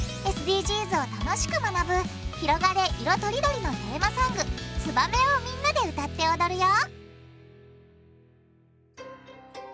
ＳＤＧｓを楽しく学ぶ「ひろがれ！いろとりどり」のテーマソング「ツバメ」をみんなで歌って踊るよ！